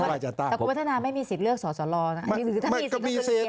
วัฒนากำทรานาศาสน์ไม่มีสิทธิ์เลือกสอสลออันนี้มันก็มีเศษนะ